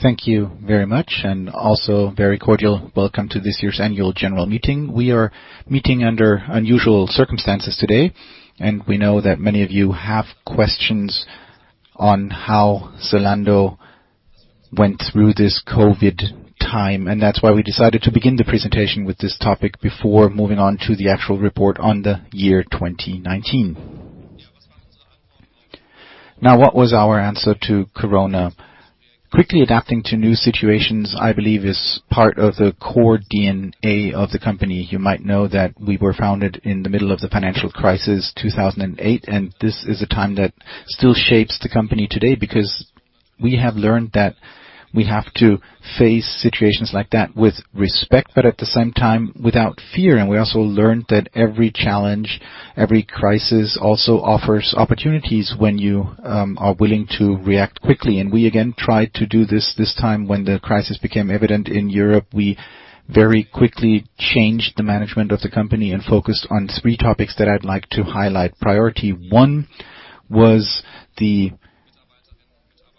Thank you very much and also very cordial welcome to this year's annual general meeting. We are meeting under unusual circumstances today, and we know that many of you have questions on how Zalando went through this COVID-19 time. That's why we decided to begin the presentation with this topic before moving on to the actual report on the year 2019. Now, what was our answer to COVID-19? Quickly adapting to new situations, I believe, is part of the core DNA of the company. You might know that we were founded in the middle of the financial crisis 2008, and this is a time that still shapes the company today because we have learned that we have to face situations like that with respect, but at the same time, without fear. We also learned that every challenge, every crisis, also offers opportunities when you are willing to react quickly. We again tried to do this time when the crisis became evident in Europe. We very quickly changed the management of the company and focused on three topics that I'd like to highlight. Priority one was the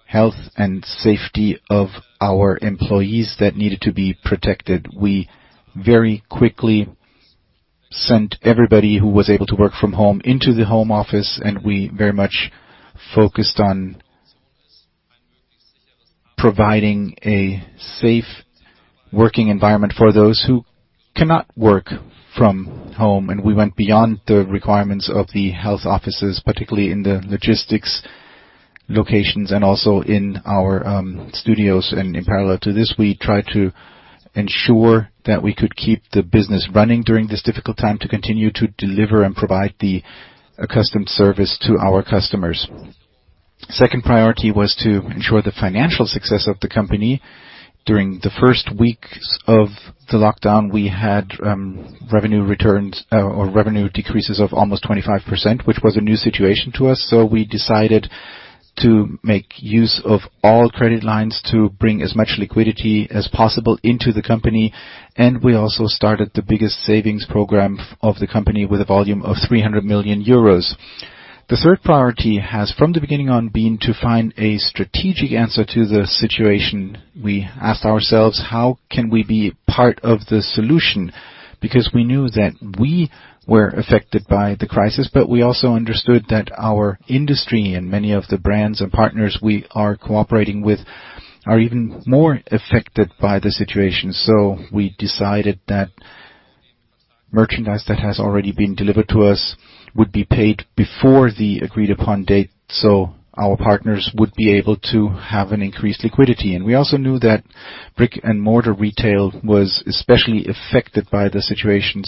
health and safety of our employees that needed to be protected. We very quickly sent everybody who was able to work from home into the home office, and we very much focused on providing a safe working environment for those who cannot work from home. We went beyond the requirements of the health offices, particularly in the logistics locations and also in our studios. In parallel to this, we tried to ensure that we could keep the business running during this difficult time to continue to deliver and provide the accustomed service to our customers. Second priority was to ensure the financial success of the company. During the first weeks of the lockdown, we had revenue returns or revenue decreases of almost 25%, which was a new situation to us. We decided to make use of all credit lines to bring as much liquidity as possible into the company. We also started the biggest savings program of the company with a volume of 300 million euros. The third priority has, from the beginning on, been to find a strategic answer to the situation. We asked ourselves, how can we be part of the solution? We knew that we were affected by the crisis, but we also understood that our industry and many of the brands and partners we are cooperating with are even more affected by the situation. We decided that merchandise that has already been delivered to us would be paid before the agreed-upon date, so our partners would be able to have an increased liquidity. We also knew that brick-and-mortar retail was especially affected by the situation.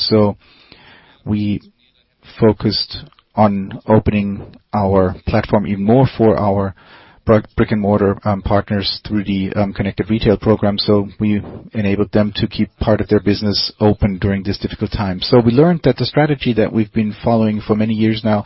We focused on opening our platform even more for our brick-and-mortar partners through the Connected Retail program. We enabled them to keep part of their business open during this difficult time. We learned that the strategy that we've been following for many years now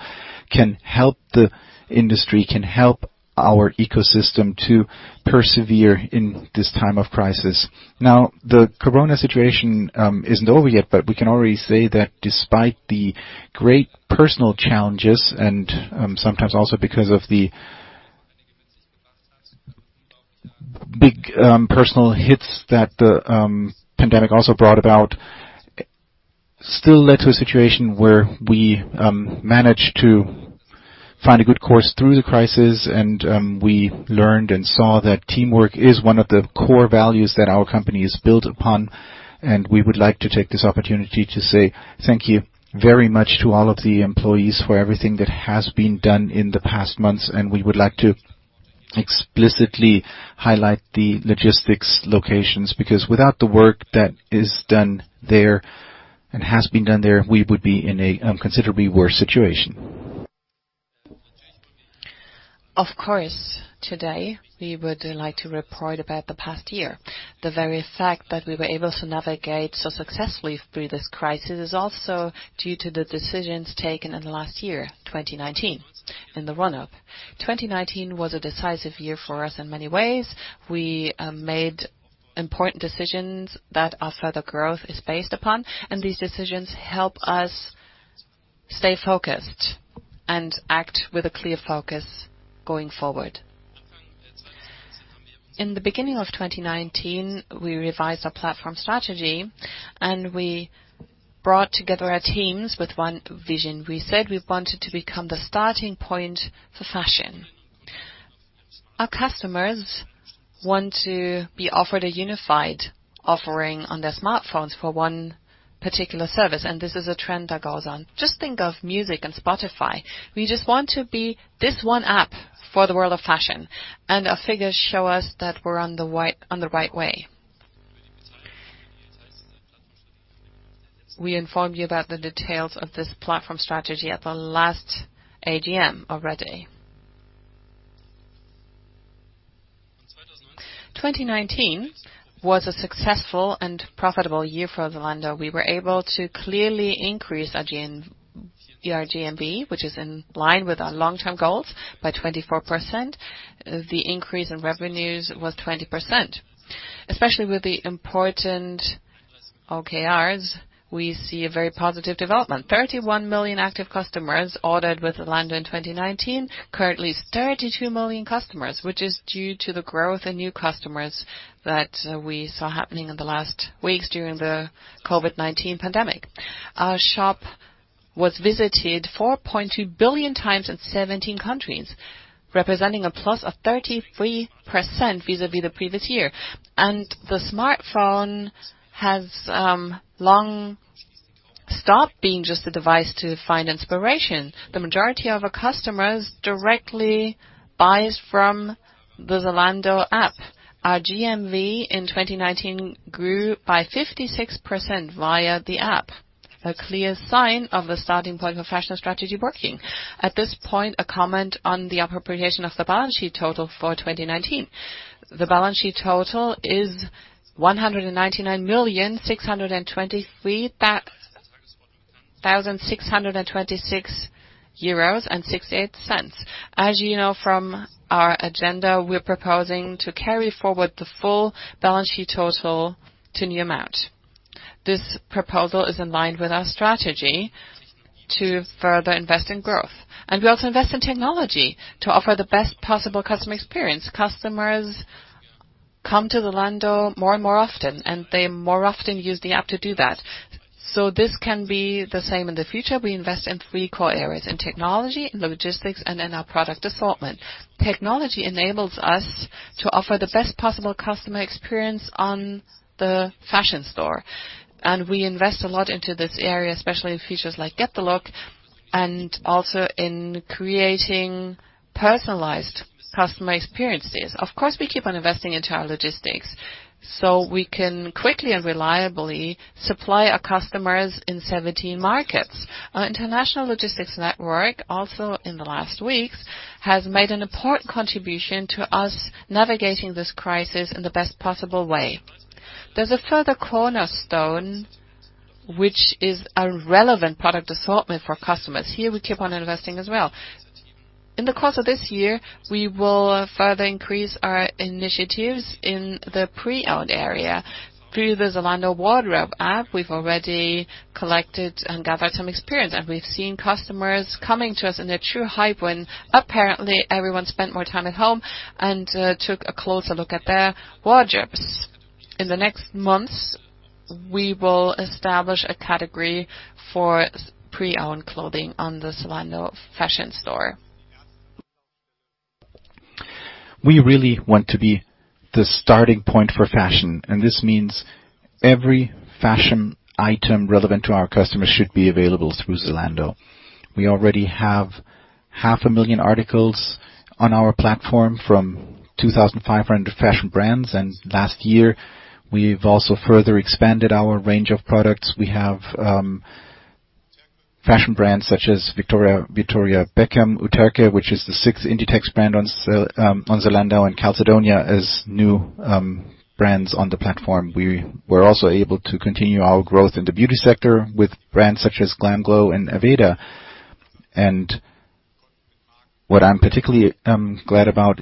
can help the industry, can help our ecosystem to persevere in this time of crisis. The COVID situation isn't over yet, but we can already say that despite the great personal challenges and sometimes also because of the big personal hits that the pandemic also brought about, still led to a situation where we managed to find a good course through the crisis. We learned and saw that teamwork is one of the core values that our company is built upon. We would like to take this opportunity to say thank you very much to all of the employees for everything that has been done in the past months. We would like to explicitly highlight the logistics locations, because without the work that is done there and has been done there, we would be in a considerably worse situation. Of course, today, we would like to report about the past year. The very fact that we were able to navigate so successfully through this crisis is also due to the decisions taken in the last year, 2019, in the run-up. 2019 was a decisive year for us in many ways. We made important decisions that our further growth is based upon, and these decisions help us stay focused and act with a clear focus going forward. In the beginning of 2019, we revised our platform strategy and we brought together our teams with one vision. We said we wanted to become the starting point for fashion. Our customers want to be offered a unified offering on their smartphones for one particular service, and this is a trend that goes on. Just think of music and Spotify. We just want to be this one app for the world of fashion, our figures show us that we're on the right way. We informed you about the details of this platform strategy at the last AGM already. 2019 was a successful and profitable year for Zalando. We were able to clearly increase our GMV, which is in line with our long-term goals, by 24%. The increase in revenues was 20%. Especially with the important OKRs, we see a very positive development. 31 million active customers ordered with Zalando in 2019. Currently, 32 million customers, which is due to the growth in new customers that we saw happening in the last weeks during the COVID-19 pandemic. Our shop was visited 4.2 billion times in 17 countries, representing a +33% vis-à-vis the previous year. The smartphone has long stopped being just a device to find inspiration. The majority of our customers directly buys from the Zalando app. Our GMV in 2019 grew by 56% via the app, a clear sign of the starting point for fashion strategy working. At this point, a comment on the appropriation of the balance sheet total for 2019. The balance sheet total is 199,623,626.68 euros. As you know from our agenda, we're proposing to carry forward the full balance sheet total to new amount. This proposal is in line with our strategy to further invest in growth. We also invest in technology to offer the best possible customer experience. Customers come to Zalando more and more often, and they more often use the app to do that. This can be the same in the future. We invest in three core areas, in technology, in the logistics, and in our product assortment. Technology enables us to offer the best possible customer experience on the fashion store. We invest a lot into this area, especially in features like Get the Look and also in creating personalized customer experiences. Of course, we keep on investing into our logistics so we can quickly and reliably supply our customers in 17 markets. Our international logistics network, also in the last weeks, has made an important contribution to us navigating this crisis in the best possible way. There is a further cornerstone which is a relevant product assortment for customers. Here we keep on investing as well. In the course of this year, we will further increase our initiatives in the pre-owned area. Through the Zalando Wardrobe app, we've already collected and gathered some experience, and we've seen customers coming to us in a true hype when apparently everyone spent more time at home and took a closer look at their wardrobes. In the next months, we will establish a category for pre-owned clothing on the Zalando fashion store. We really want to be the starting point for fashion, this means every fashion item relevant to our customers should be available through Zalando. We already have half a million articles on our platform from 2,500 fashion brands, last year we've also further expanded our range of products. We have fashion brands such as Victoria Beckham, Uterqüe, which is the sixth Inditex brand on Zalando, Calzedonia as new brands on the platform. We were also able to continue our growth in the beauty sector with brands such as GLAMGLOW and Aveda. What I'm particularly glad about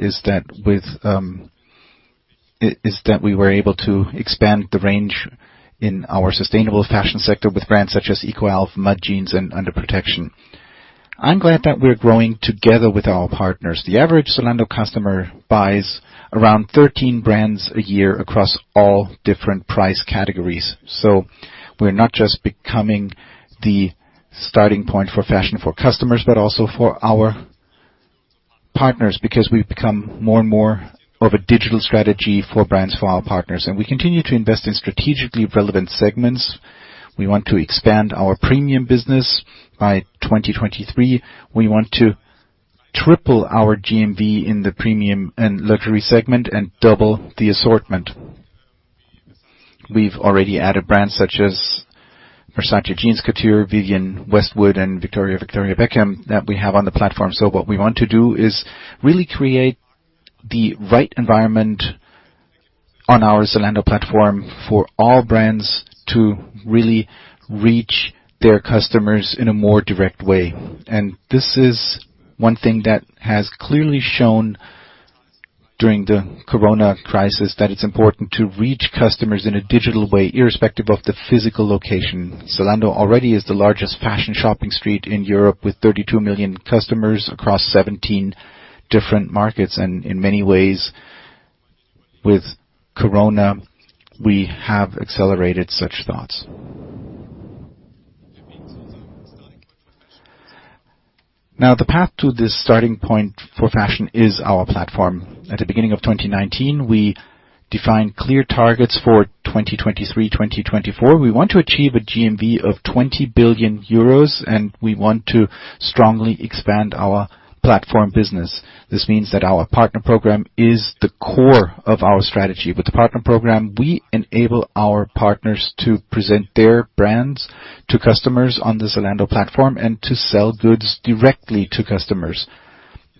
is that we were able to expand the range in our sustainable fashion sector with brands such as ECOALF, MUD Jeans, and Underprotection. I'm glad that we're growing together with our partners. The average Zalando customer buys around 13 brands a year across all different price categories. We're not just becoming the starting point for fashion for customers, but also for our partners, because we've become more and more of a digital strategy for brands, for our partners. We continue to invest in strategically relevant segments. We want to expand our premium business. By 2023, we want to triple our GMV in the premium and luxury segment and double the assortment. We've already added brands such as Versace Jeans Couture, Vivienne Westwood, and Victoria Beckham that we have on the platform. What we want to do is really create the right environment on our Zalando platform for all brands to really reach their customers in a more direct way. This is one thing that has clearly shown during the COVID-19 crisis, that it's important to reach customers in a digital way, irrespective of the physical location. Zalando already is the largest fashion shopping street in Europe with 32 million customers across 17 different markets. In many ways, with corona, we have accelerated such thoughts. The path to this starting point for fashion is our platform. At the beginning of 2019, we defined clear targets for 2023, 2024. We want to achieve a GMV of 20 billion euros. We want to strongly expand our platform business. This means that our Partner Program is the core of our strategy. With the Partner Program, we enable our partners to present their brands to customers on the Zalando platform and to sell goods directly to customers.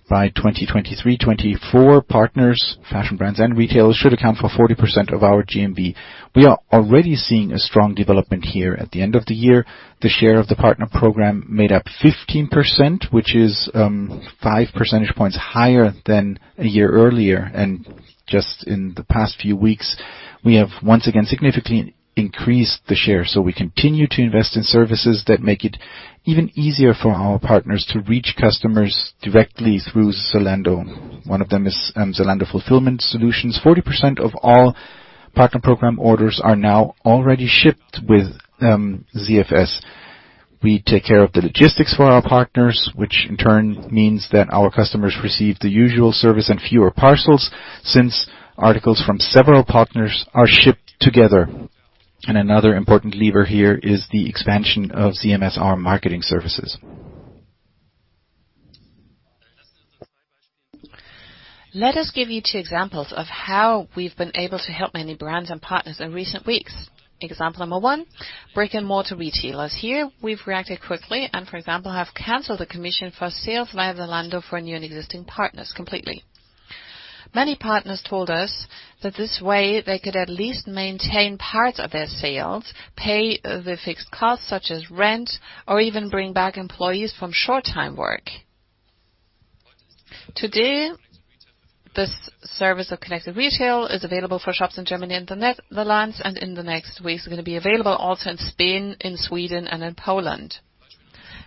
By 2023, 2024, partners, fashion brands and retailers should account for 40% of our GMV. We are already seeing a strong development here. At the end of the year, the share of the Partner Program made up 15%, which is 5 percentage points higher than a year earlier. Just in the past few weeks, we have once again significantly increased the share. We continue to invest in services that make it even easier for our partners to reach customers directly through Zalando. One of them is Zalando Fulfilment Solutions. 40% of all Partner Program orders are now already shipped with ZFS. We take care of the logistics for our partners, which in turn means that our customers receive the usual service and fewer parcels, since articles from several partners are shipped together. Another important lever here is the expansion of ZMS, our marketing services. Let us give you two examples of how we've been able to help many brands and partners in recent weeks. Example number one, brick-and-mortar retailers. Here, we've reacted quickly and, for example, have canceled the commission for sales via Zalando for new and existing partners completely. Many partners told us that this way they could at least maintain parts of their sales, pay the fixed costs such as rent, or even bring back employees from short-time work. Today, this service of Connected Retail is available for shops in Germany and the Netherlands, and in the next weeks is going to be available also in Spain, in Sweden, and in Poland.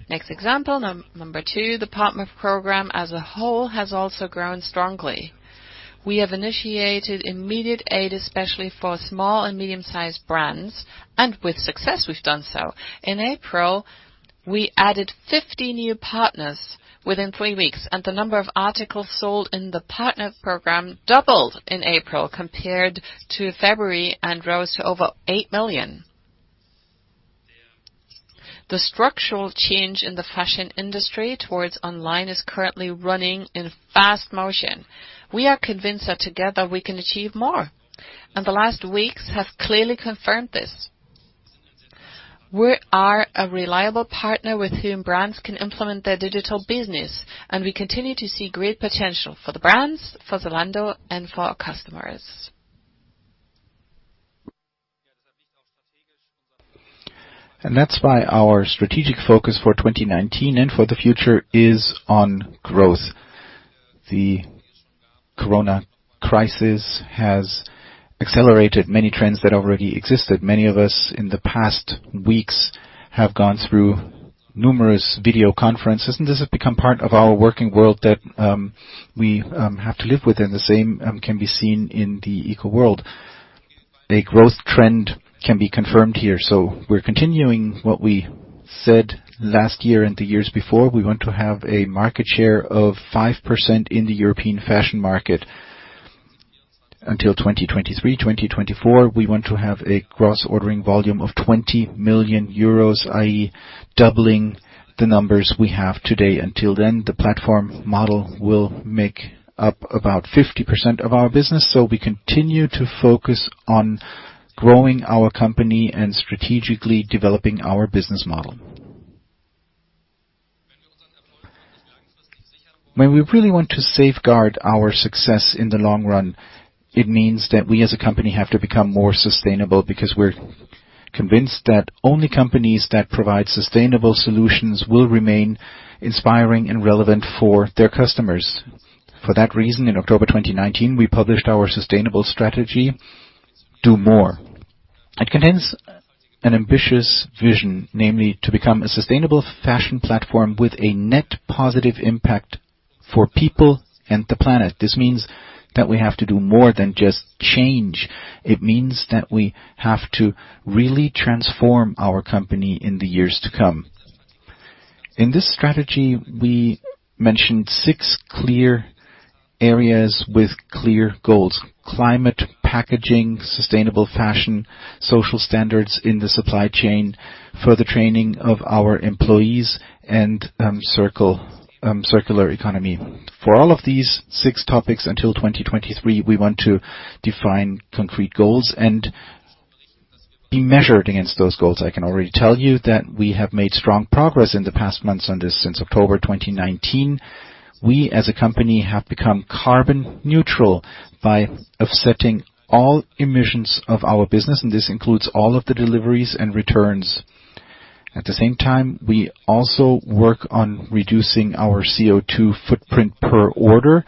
Next example, number two, the Partner Program as a whole has also grown strongly. We have initiated immediate aid, especially for small and medium-sized brands, and with success we've done so. In April, we added 50 new partners within three weeks, and the number of articles sold in the Partner Program doubled in April compared to February and rose to over 8 million. The structural change in the fashion industry towards online is currently running in fast motion. We are convinced that together we can achieve more, and the last weeks have clearly confirmed this. We are a reliable partner with whom brands can implement their digital business, and we continue to see great potential for the brands, for Zalando, and for our customers. That's why our strategic focus for 2019 and for the future is on growth. The Corona crisis has accelerated many trends that already existed. Many of us in the past weeks have gone through numerous video conferences, and this has become part of our working world that we have to live with, and the same can be seen in the eco world. A growth trend can be confirmed here. We're continuing what we said last year and the years before. We want to have a market share of 5% in the European fashion market until 2023, 2024. We want to have a gross ordering volume of 20 billion euros, i.e. doubling the numbers we have today. Until then, the platform model will make up about 50% of our business. We continue to focus on growing our company and strategically developing our business model. When we really want to safeguard our success in the long run, it means that we as a company have to become more sustainable because we're convinced that only companies that provide sustainable solutions will remain inspiring and relevant for their customers. For that reason, in October 2019, we published our sustainable strategy, do. MORE. It contains an ambitious vision, namely to become a sustainable fashion platform with a net positive impact for people and the planet. This means that we have to do more than just change. It means that we have to really transform our company in the years to come. In this strategy, we mentioned six clear areas with clear goals, climate, packaging, sustainable fashion, social standards in the supply chain, further training of our employees, and circular economy. For all of these six topics until 2023, we want to define concrete goals and be measured against those goals. I can already tell you that we have made strong progress in the past months on this since October 2019. We, as a company, have become carbon neutral by offsetting all emissions of our business, and this includes all of the deliveries and returns. At the same time, we also work on reducing our CO2 footprint per order.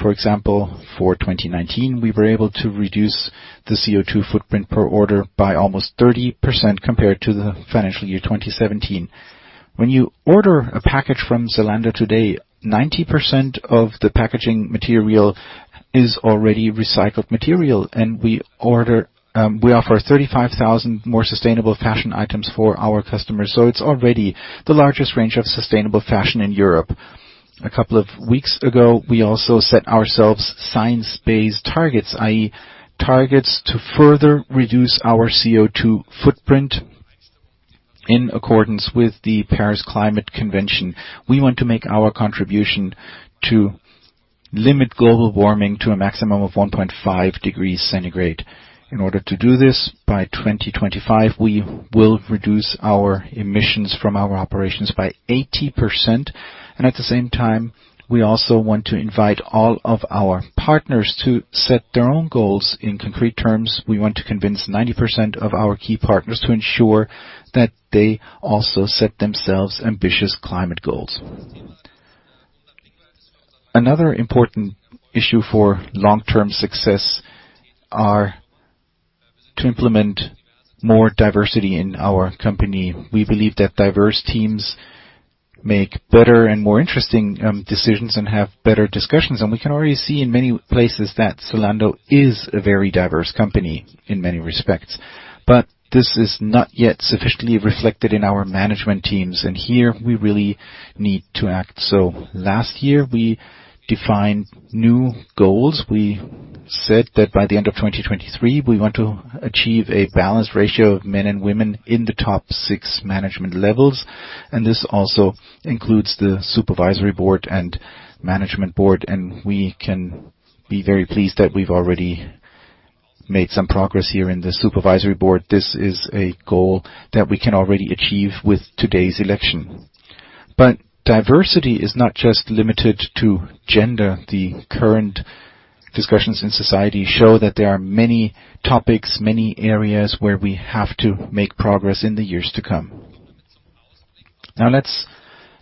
For example, for 2019, we were able to reduce the CO2 footprint per order by almost 30% compared to the financial year 2017. When you order a package from Zalando today, 90% of the packaging material is already recycled material, and we offer 35,000 more sustainable fashion items for our customers. It's already the largest range of sustainable fashion in Europe. A couple of weeks ago, we also set ourselves science-based targets, i.e. targets to further reduce our CO2 footprint in accordance with the Paris Agreement. We want to make our contribution to limit global warming to a maximum of 1.5 degrees Celsius. In order to do this, by 2025, we will reduce our emissions from our operations by 80%. At the same time, we also want to invite all of our partners to set their own goals. In concrete terms, we want to convince 90% of our key partners to ensure that they also set themselves ambitious climate goals. Another important issue for long-term success are to implement more diversity in our company. We believe that diverse teams make better and more interesting decisions and have better discussions. We can already see in many places that Zalando is a very diverse company in many respects. This is not yet sufficiently reflected in our management teams, and here we really need to act. Last year, we defined new goals. We said that by the end of 2023, we want to achieve a balanced ratio of men and women in the top six management levels, and this also includes the supervisory board and management board. We can be very pleased that we've already made some progress here in the supervisory board. This is a goal that we can already achieve with today's election. Diversity is not just limited to gender. The current discussions in society show that there are many topics, many areas where we have to make progress in the years to come. Let's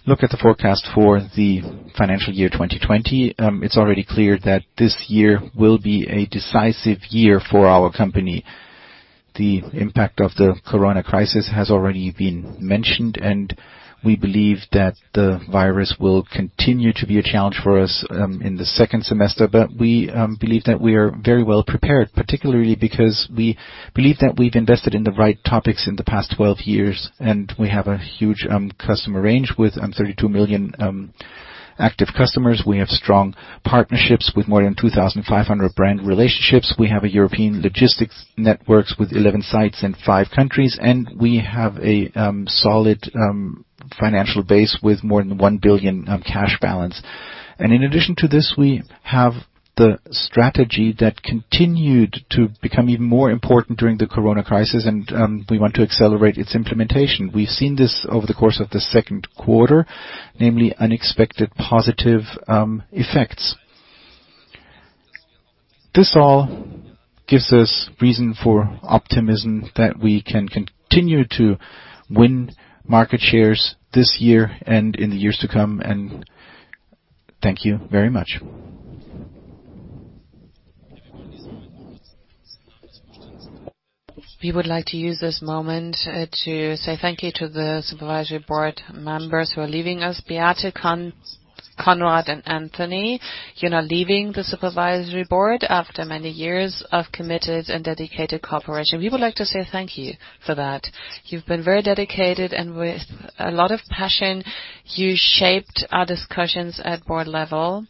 look at the forecast for the financial year 2020. It's already clear that this year will be a decisive year for our company. The impact of the corona crisis has already been mentioned. We believe that the virus will continue to be a challenge for us in the second semester. We believe that we are very well prepared, particularly because we believe that we've invested in the right topics in the past 12 years, and we have a huge customer range with 32 million active customers. We have strong partnerships with more than 2,500 brand relationships. We have a European logistics networks with 11 sites in five countries. We have a solid financial base with more than 1 billion cash balance. In addition to this, we have the strategy that continued to become even more important during the corona crisis. We want to accelerate its implementation. We've seen this over the course of the Q2, namely unexpected positive effects. This all gives us reason for optimism that we can continue to win market shares this year and in the years to come, and thank you very much. We would like to use this moment to say thank you to the supervisory board members who are leaving us. Beate, Konrad, and Anthony, you're now leaving the supervisory board after many years of committed and dedicated cooperation. We would like to say thank you for that. You've been very dedicated and with a lot of passion, you shaped our discussions at board level.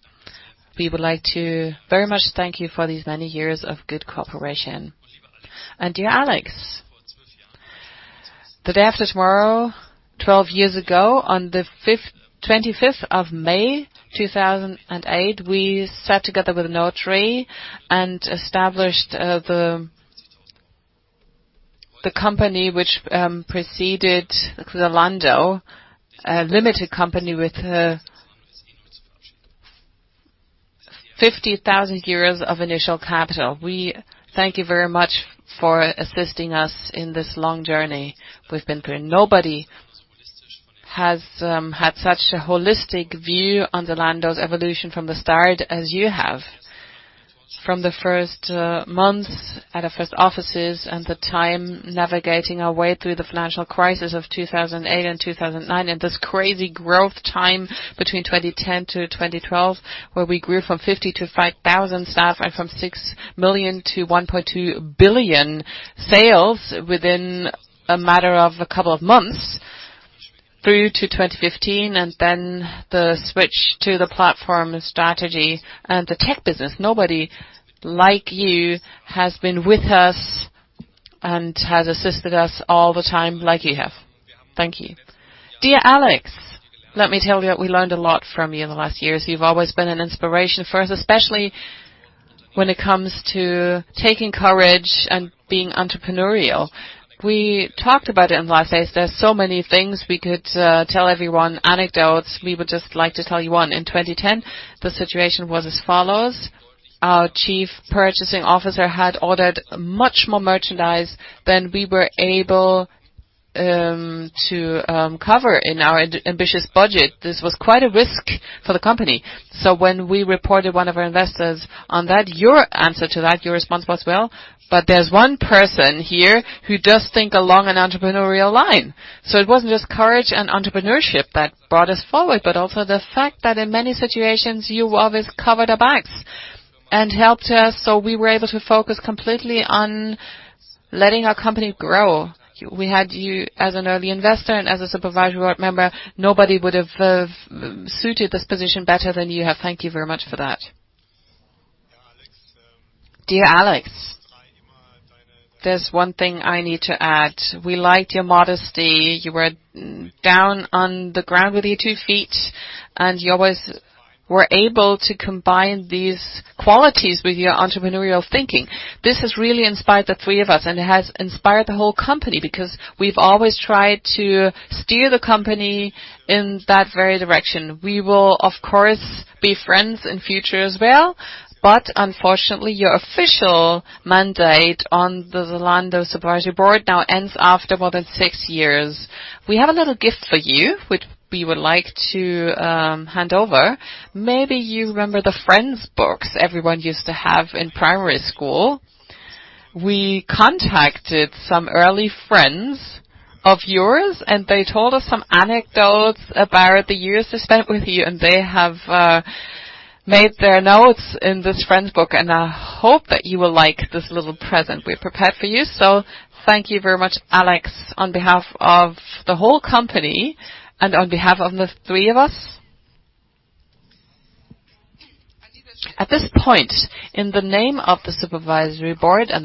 We would like to very much thank you for these many years of good cooperation. Dear Alex, the day after tomorrow, 12 years ago, on the 25th of May 2008, we sat together with a notary and established the company which preceded Zalando, a limited company with 50,000 euros of initial capital. We thank you very much for assisting us in this long journey we've been through. Nobody has had such a holistic view on Zalando's evolution from the start as you have. From the first months at our first offices and the time navigating our way through the financial crisis of 2008 and 2009, and this crazy growth time between 2010-2012, where we grew from 50-5,000 staff and from 6 million to 1.2 billion sales within a matter of a couple of months through to 2015, and then the switch to the platform strategy and the tech business. Nobody like you has been with us and has assisted us all the time like you have. Thank you. Dear Alex, let me tell you that we learned a lot from you in the last years. You've always been an inspiration for us, especially when it comes to taking courage and being entrepreneurial. We talked about it in the last days. There are so many things we could tell everyone. Anecdotes. We would just like to tell you one. In 2010, the situation was as follows. Our Chief Purchasing Officer had ordered much more merchandise than we were able to cover in our ambitious budget. This was quite a risk for the company. When we reported one of our investors on that, your answer to that, your response was, "Well, but there's one person here who does think along an entrepreneurial line." It wasn't just courage and entrepreneurship that brought us forward, but also the fact that in many situations, you always covered our backs and helped us, so we were able to focus completely on letting our company grow. We had you as an early investor and as a supervisory board member, nobody would have suited this position better than you have. Thank you very much for that. Dear Alex, there's one thing I need to add. We liked your modesty. You were down on the ground with your two feet, and you always were able to combine these qualities with your entrepreneurial thinking. This has really inspired the three of us, and it has inspired the whole company because we've always tried to steer the company in that very direction. We will, of course, be friends in future as well. Unfortunately, your official mandate on the Zalando Supervisory Board now ends after more than six years. We have a little gift for you, which we would like to hand over. Maybe you remember the friends books everyone used to have in primary school. We contacted some early friends of yours, and they told us some anecdotes about the years they spent with you, and they have made their notes in this friend book, and I hope that you will like this little present we have prepared for you. Thank you very much, Alex, on behalf of the whole company and on behalf of the three of us. At this point, in the name of the Supervisory Board and the